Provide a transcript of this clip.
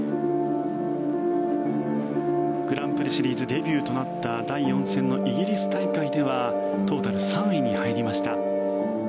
グランプリシリーズデビューとなった第４戦のイギリス大会ではトータル３位に入りました。